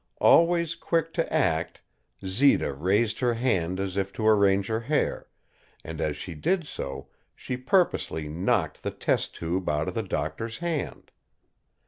Always quick to act, Zita raised her hand as if to arrange her hair, and as she did so she purposely knocked the test tube out of the doctor's hand.